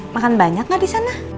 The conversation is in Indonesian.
makan banyak gak disana